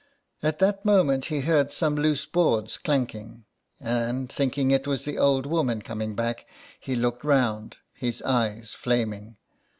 At that moment he heard some loose boards clanking, and, thinking it was the old woman coming back, he looked round, his eyes flaming.